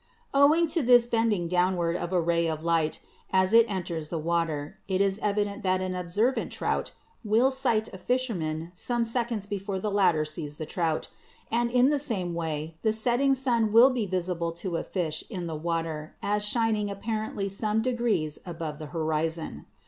Owing to this bending downward of a ray of light as it enters the water, it is evident that an observant trout will sight a fisherman some seconds before the latter sees the trout, and in the same way the setting sun will be visible to a fish in the water as shining apparently some degrees above the horizon.